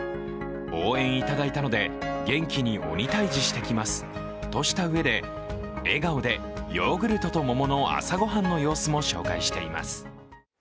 応援いただいたので元気に鬼退治してきますとしたうえで笑顔でヨーグルトと桃の朝ごはんの様子も紹介しています。